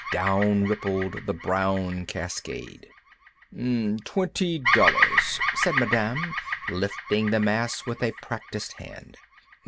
Down rippled the brown cascade. "Twenty dollars," said Madame, lifting the mass with a practised hand.